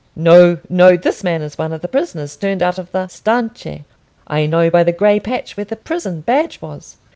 "No, no! This man is one of the prisoners turned out of the Stinche. I know by the grey patch where the prison badge was."